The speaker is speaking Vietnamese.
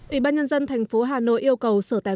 ubnd tp hà nội yêu cầu sửa tén